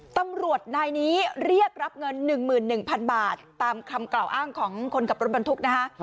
ตำรวจนายนี้เรียกรับเงิน๑๑๐๐๐บาทตามคำกล่าวอ้างของคนขับรถบรรทุกนะคะ